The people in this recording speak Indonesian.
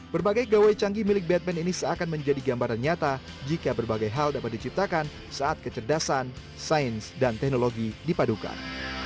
berbagai gawai canggih milik batman ini seakan menjadi gambaran nyata jika berbagai hal dapat diciptakan saat kecerdasan sains dan teknologi dipadukan